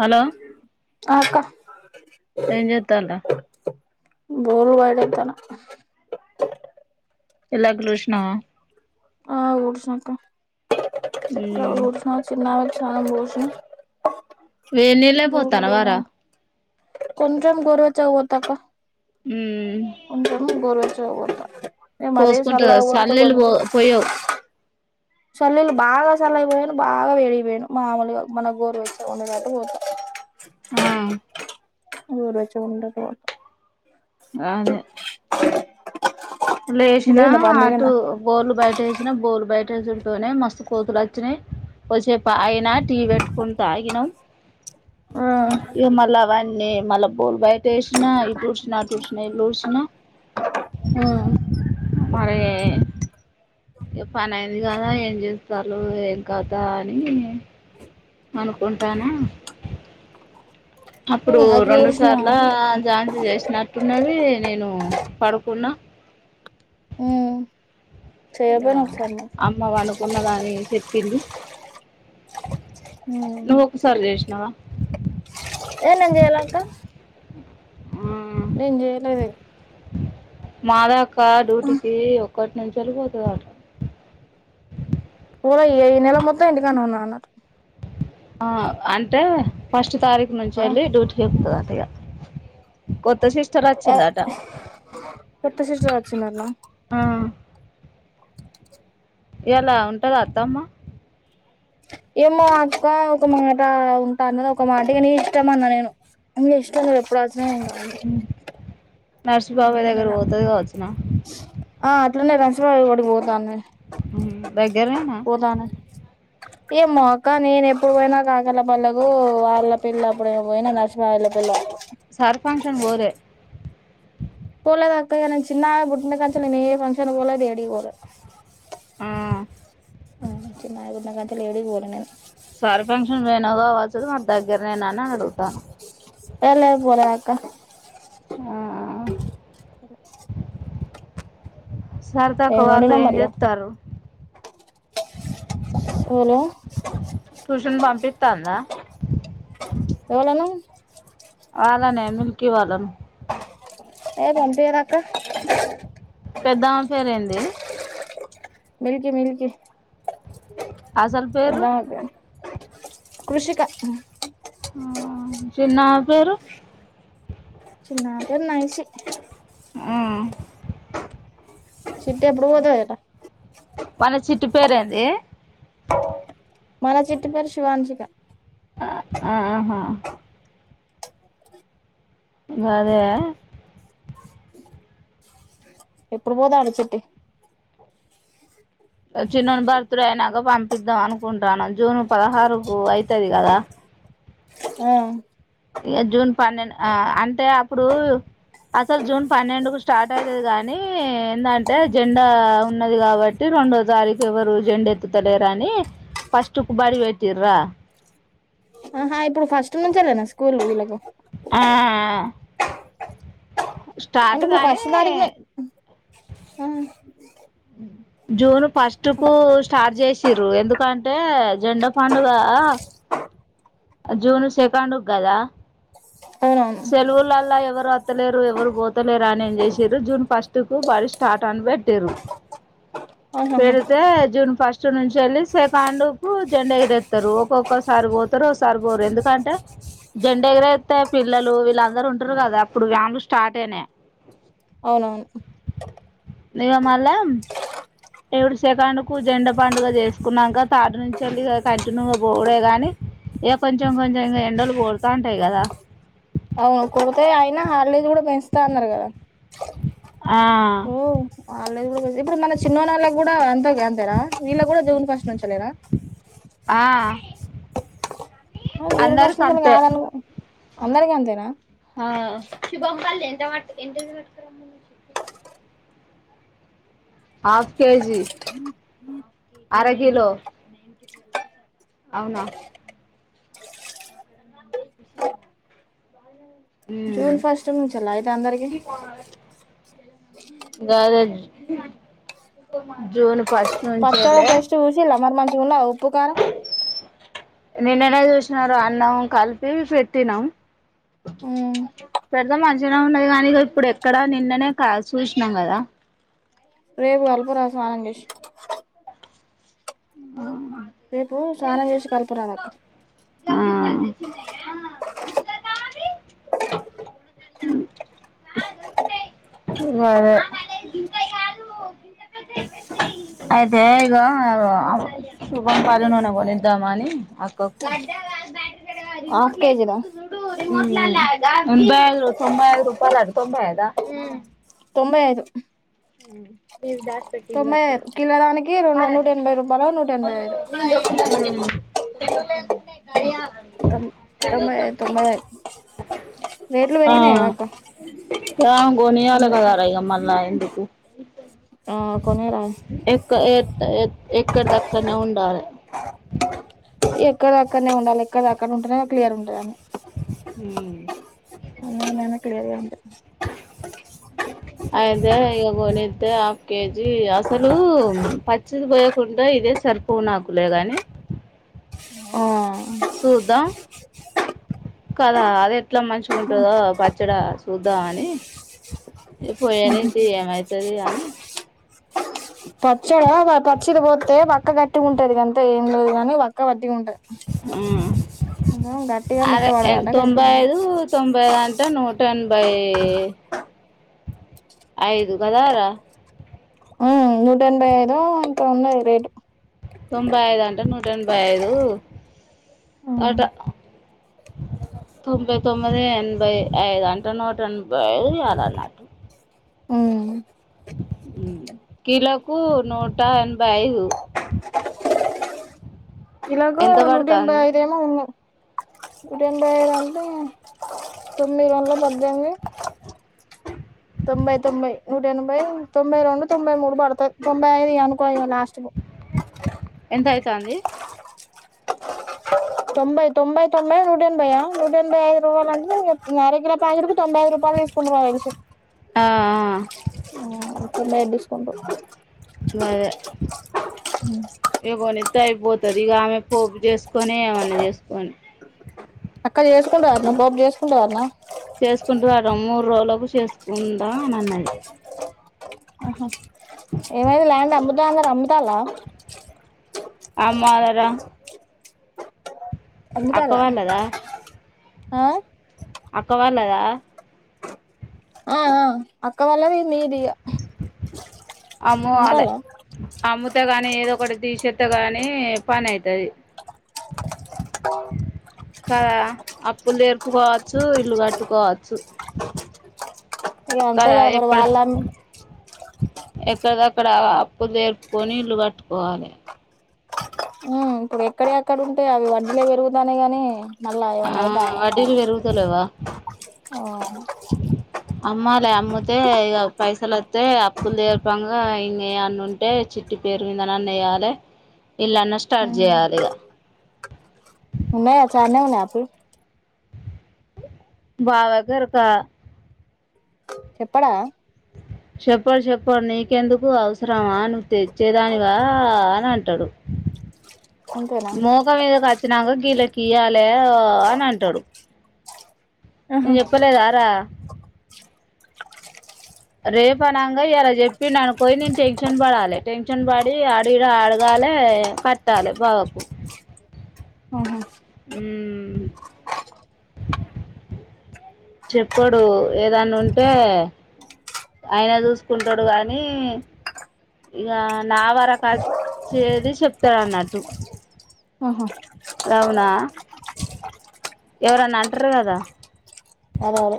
Hello ఆ అక్క ఏం చేత్తాల్లు బొల్లు బయటేత్తన్న ఇల్లాకిలీ ఊడిసినవా ఆ ఊడిసినక్క ఆ ఉమ్ ఊడ్షిణా చా బోసి వేనిళ్లే పోతన్నవారా కొంచం గోరువెచ్చగా పొత్తక్క మ్మ్ కొంచెం గోరువెచ గ పొత్త పోసుకుంటదా సళ్లిళ్లు పో పోయవ్ సళ్లిళ్లు బాగా సల్లాయి పోయాను బాగా వేడియి పోయాను మామూలుగా మన గోరు వెచ్చగా ఉండేటట్టు పోత ఆ గోరువెచ్చగా ఉండేటట్టు పో అదే లేషీనా తిరిగిందా పని అటు తిరిగిందా బోలు బయట ఎషినా బోలు బయటేసుడుతోనే మస్తు కోతులు అచ్చినయి కోషేపు ఆగిన టీ పెట్టుకొని తాగినం ఆ ఇగ మల్ల అవన్నీ మల్ల బోల్లు బయట ఎషిన ఈటూడశిన అటూడశిన ఇల్లుడుశిన ఆ మరే ఇగ పని అయింది కదా ఏం చేస్తాంన్లు ఏం కథా అనీ అనుకుంటానా అప్పుడూ నేను వాకిలి రెండు ఊడ్చిన సార్లా ఝాన్సీ చేసినట్టున్నది. తిని నేను పడుకున్నా ఉమ్ ఇగ చేయపోయినా ఒకసారి నువ్వు అమ్మ వాళ్లు ఉన్నదా అని చెప్పింది ఉమ్ నవ్వు ఒకసారి చేష్నవా ఏ నేన్ చేయల అక్క ఆ నేన్ చేయలేదు మాదా అక్ క డ్యూటీ కీ ఒకటి నుంచి వెళ్ళపోతుంది అట ప ఈ ఈ నెల మొత్తం ఇంటికాడ ఉన్నా అన్నట్ ఆ అంటే ఫస్ట్ తారీఖు నుంచి అ డ్యూటీకేకుతాదంట. అంత కొత్త సిస్టర్ వచ్చిందట. కొత్త సిస్టర్ వచ్చిందన్న ఆ ఇయ్యాల ఉంటది అత్తమ్మ, ఏమో అక్క ఒక మాట ఉంటా అన్నద, ఒక మాట ఇ గ నీ ఇష్టం అన్నా. నేను మీ ఇష్టం ఎప్పుడ స నర్సి బాబాయి దగ్గర పోతుది కావచ్చునా, ఆ అట్లానే నర్సిబళ్ళ పోతనది దగ్గరనేనా ఏమో అక్క నేను ఎప్పుడు పోయినా కాకల పల్లకు వాళ్ళ పిల్ల అప్పుడ పోయినా నర్సిబళ పెళ్లప్పుడు. సార్ ఫంక్షన్ పోలే పోలేదు అక్కయ, నను చిన్నమే బుట్టిన కా నేను ఏ ఫంక్షన్ పోలేది ఏడి పోలే. ఆ ఆ చిన్నగుందకల ఏడికి పోలేని నువ్వు పోయినవ్ కావచ్చు, మరి దగ్గర నేను అనిని అడుగుతాను. వెళ పోలేక ఆ స సరదాక వాళ్ళు వండినావు ఏం మరి ఇవాళ చెప్తారు. Hello tuition పంపిస్తాందా! ఎవళను వాళ్ళానే మిల్కి వాళను ఏ పంపియదు అక్క పెద్దామ పేరేంది మిల్కి మిల్కి అసలు పేరు పెద్దమక్క కృషిక చిన్నామె పేరు చిన్నమే పేరు నైసీ ఆ చిట్టి ఎప్పుడు పోతదట మన చిట్టి పేరేంది మన చిట్టి పేరు శివాంశిక ఆ ఆ ఆహా గదే ఎప్పుడు పోదనడు చిట్టి చిన్నడు బర్త్డే అయినాక పంపిద్దాం అనుకుంటాను జూన్ పదహారుకు అయితది కదా ఆ ఇగ జూన్ పన్నెండు అ అంటే అప్పుడు అసలు ఇక జూన్ పన్నెండుకు స్టార్ట్ అయితుది కాగానీ ఏందంటే జెండా ఉన్నది కాబట్టి రెండో తారఖు ఎవరు జెం ఎత్తుతలేరుని ఫస్టు కు బడి పెట్టిర్ర అహా ఇప్పుడు ఫస్ట్ నుంచలేేనా స్కూల్ వీళ్లకు ఆ అంటిప్పుడు ఫస్ట్ తారీకు న హ జూన్ ఫస్ట్ కు స్టార్ట్ చేసిర్రు ఎందుకంటే జెండా పండుగ జూను సెకండ్ కు కదా అవునవును సెలవులల్లా ఎవరు ఒత్తలేరు ఎవరు పోతలేరు అని ఏం చేసిర్రు జూన్ ఫస్ట్కుకు బడి స్టార్ట్ అని పెట్టిన్రు ఆహాహా పెరితే జూన్ ఫస్ట్ నుంచి వెళ్ళి సెకండ్ కు జెండెగిరెత్తరు ఒక్కొక్కసారి పోతారు ఒకసారి పోరు ఎందుకంటే జెండెగిరెత్తే పిల్లలు వీళ్ళందరు ఉంటారు కదా అప్పుడు వ్యాన్లు స్టార్ట్ అయినాయి. అవునవును దిగమల్ల ఏడు సెకండ్కు జెండ పండుగ చేసుకున్నాక తాటి నుంచి వెళ్ళి కంటిన్యూగా పోగుడే గాని ఇక కొంచెం కొంచెం ఇం ఎండలు పోడుతా ఉంటాయి కదా అవును కొడితే అయినా హాలిడేస్ కూడా పెంచుతా అన్నారు కదా ఆ ఇప్పుడు ఇప్పుడు మన చిన్నోన్న వాళ్ళకి కూడా ఎంత అంతేనా వీళ్ళ కూడా జాన్ ఫస్టు లనుంచేనా ఆ ఊరి అందరికి ప్రశనించని అంతే కాదను అందరికి అంతేనా ఆ, హాఫ్ కేజీ అర కిలో అవునా ఉమ్. జూన్ ఫస్ట్ నుంచిలా అయితే అందరికి గదే జూన్ ఫస్ట్ పచ్చడా నుంచేలే టెస్ట్ చూసి లమమం చూడన ఉప్పుకారం నిన్ననే చూసిన అన్నాం కలిపి పెట్టినాం ఉమ్ పెద్ద మంచిగా ఉన్నది కాని ఇప్పుడు ఎక్కడ నిన్ననే చూసినాం కదా రేపు అల్ప రాసం ఆనంగేష్ ఉమ్ రేపు స్నానం చేసి కలుపురాదక్క ఆ అద అయితే ఇగ శుభం పాలనున కొనిద్దామా అని అక్క ఇక్కడ రిమోట్ హాఫ్ కేజీ లేదు దా చూడు రిమోట్ లేనిది తొాంబె తొంబై ఐదు రూపాయల అదు తొంబై అయిదా తొంభై ఐదు ఉమ్ తొంభై ఐదు కిలోదానికి రెండు నూట ఎనభై రూపాయలు నూట ఎనభై ఐదు ఎబున్స్ తొం తొంభై ఐదు గడి తొంభై ఐదు రేట్లు ఆ పెరిగినాయి కదా అక్క ఎ కొని యియరు తొంభై గద్దమ్మ ఎందుకు ఆ కొనేరా ఉమ్ ఇ ఎ ఏ ఎక్కడి దక్కడనే ఉండాలి అ ఎక్కడది అక్కడనే ఉంటేనే క్లియర్ ఉంటాది అని ఉమ్ నేను క్లియర్ ఉంట అయితే ఇక కొనితే హాఫ్ కేజీ అసలు పచ్చిది పోయకుండా ఇదే సరుపు నాకులే గాని ఆ చూద్దాం కదా అది ఎట్లా మంచిగా ఉంటుందో పచ్చడి చూద్దాం అని పోయనది ఏమైతుది అని పచ్చడా పచ్చిది పోతే పక్క గట్టిగా ఉంటది కంతే ఏం లేదు కాని పక్క వట్టిగా ఉంటది కొంచెం గట్టిగా ఆ అర మెత్తపడదట గట్టిగా ఉంటది తొంభైదు తొంభైదు అంటా నూట్ టెన్ బై ఐదు గదార ఉమ్ నూట ఎనభై ఐదు ఎంతో ఉన్నది రేటు తొంభై యిదు అంటే నూట ఎనభై ఐదు ఉమ్ అట తొంభై తొమ్మిది ఎనభై ఐదు అంటే నూట ఎనభై ఐదు ఎాల అన్నటు ఉమ్ కిలోలకు నూట ఎనభై ఐదు కిలోకు ఎంత నూట యన భై పడుతుంది ఐదు ఏయో ఉన్నాయి రెండు ఐదు అంటే తొమ్మిది వందల పద్దెనిమిది తొంభై తొంభై నూట ఎనభై తొంభై రెండు తొంభై మూడు పడుతది తొంభై ఐదు అనుకో లాస్ట్ ఎంత అవుతు అంది తొంబై తొంబై తొ నూట ఎనభై నూట ఎనభై యు రూవాల ఇంకా నిర కిలా పా తొంభై ఐదు రూపాయలు తీసుకు అన్నా డిస్కౌంట్ అదే యిక పోనీ ర్ అయిపోతుంది ఇక ఆమె పోపు చేసుకొని ఏమన్నా చేసుకొని అక్క చేసుకుంటరాటా పాప చేసుకుంటదాటానా చేసుకుంటూ రాడం మూడు రోజులకు చేసుకుందాం అని అన్నది ఆహా ఏమైంది ల్యాండ్ అమ్ముతా అన్నారు అమ్ముతాల్ల ఆమ్మ అదార అమ్ముతాల్లా అక్కవాళ్ళదా ఆ అక్క వాళ్ళదా ఆ ఆ అక్క వాళ్ళది మీడియా అమ్ముఆలె అమ్ముత చెత్త గాని ఏదో ఒకటి తీసేత్గాని పని అవుతుది కదా అప్పులు తెరుపుకోవచ్చు ఇల్లు కట్టుకోవచ్చు ఇక అంతే కదా మరి వాళ్ళ ఎక్కడక్కడ అప్పు జరుపుకొని ఇల్లు కట్టుకోవాలి ఉమ్ ఇప్పుడు ఎక్కడ ఎక్కడ ఉంటాయి అవి వడ్లే పెరుగుతానే గాని ఆ వడ్డీలు వెరుగుతలెవా ఓ అమ్మాల అమ్ముతే ఇక పైసలు వస్తతే అప్పులు దర్పంగా ఇం అన్న ఉంటే చిట్టి పేరు మీదని అన్న వయాలి ఇల్ళన్న స్టార్ట్ చేయాలి ఇక మే చన్నీళ్ళు తాపీ బావాగరకా చెప్పడా చెప్పడు చెప్పడు నీకెందుకు అవసరమా తెచ్చేదానివా అని అంట పెట్టడు అంతేనా మోగం మీద గోచినాక కీల కియాల అని అంటాడు ఆహా నేను చెప్పలేదా రా రేపు అనంగా ఇలా చెప్పి అనుకోయి నేను టెన్షన్ పడాలి టెన్షన్ పడి ఆడ ఇడ అడగాలి కట్టాలి బాబకు ఆహా చెప్పాడు ఏదనా ఉంటే ఆయనే చూసుకుంటాడు కానీ ఇక నా వరక వచ్చేది చెప్తాడు అన్నట్టు ఆహా రవుణ ఎవరన్నా అంటారు కదా అరే అరే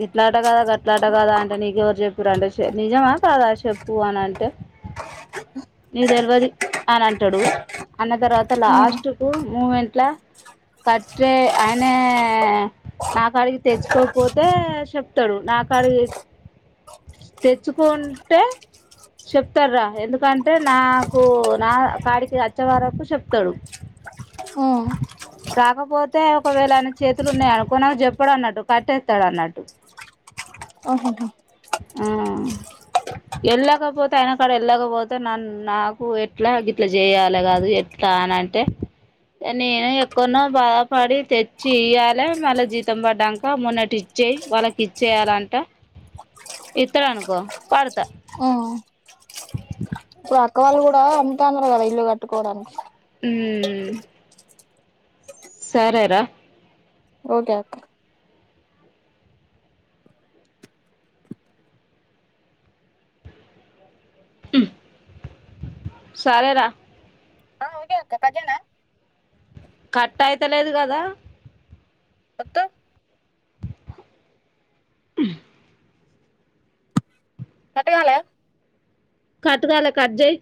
గిట్లాట కదా గట్లాట గదా అంటే నీకెవరు చెప్పారుంటే నిజమా కాదా చెప్పు అని అంటే నీకు తెలివదు అని అంటాడు అన్న తర్వాత ఉమ్ లాస్ట్ కు మూమెంట్ల కట్టే ఆయనే నాకు కాడికి తెచ్చుకోకపోతే అడిగితే చెప్తాడు నా కాడికి తెచ్చుకుంటే చెప్తాడు రా ఎందుకంటే నాకు నా కాడికి అచ్చవరకు చెప్తాడు ఉమ్ రాకపోతే ఒకవేళ ఆయన చేతులు ఉన్నాయి అనుకో నాకు చెప్పడు అన్నట్టు కట్ట తల అన్నట్టు ఓహోహో ఉమ్ వెళ్ళకపోతే ఆయన కాడ వెళ్ళకపోతే నన్ను నాకు ఎట్లా గిట్లా చేయాలి కాదు ఎట్లా అని అంటే నేను ఎక్కనో బాధపడి తెచ్చి ఇయ్యాలి మళ్ళీ జీతం పడ్డాక మొన్నటి ఇచ్చేయి వాళ్ళకి ఇచ్చేయాలంట ఇత్ర అనుకో పాడుత ఉమ్ ఇప్పుడు అక్క వాళ్ళు కూడా అమ్ముతన్నారు కదా ఇల్లు కట్టుకోవడానికి హు సరే రా ఓకే సరే రా ఆ ఓకే అక్క కట్ చేయనా కట్ అయితలేదు కదా వద్దు [unintelligible] కట్ కాలే కట్ గాల కట్ చెయ్,